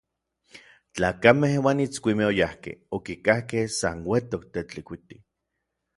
Tlakamej uan itskuimej oyajkej, okikajkej san uetok Tetlikuiti.